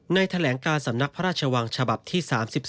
แถลงการสำนักพระราชวังฉบับที่๓๒